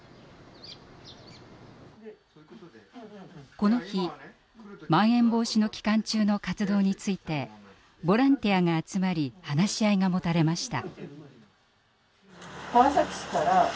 この日まん延防止の期間中の活動についてボランティアが集まり話し合いが持たれました。